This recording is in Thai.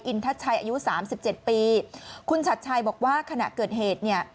ทัชชัยอายุสามสิบเจ็ดปีคุณชัดชัยบอกว่าขณะเกิดเหตุเนี่ย